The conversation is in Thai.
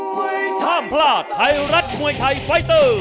ไม่ท่ามพลาดไทรัตมวยไทยไฟตเตอร์